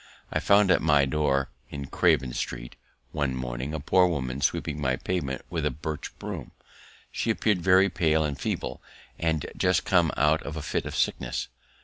I found at my door in Craven street, one morning, a poor woman sweeping my pavement with a birch broom; she appeared very pale and feeble, as just come out of a fit of sickness.